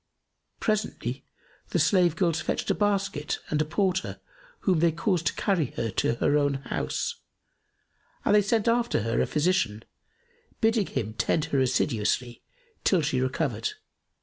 Presently the slave girls fetched a basket and a porter whom they caused carry her to her own house; and they sent after her a physician, bidding him tend her assiduously till she recovered.